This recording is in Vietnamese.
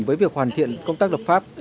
với việc hoàn thiện công tác lập pháp